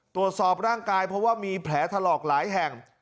ตรวจสอบร่างกายผลลองการมีแผลถรอกหลายแห่ง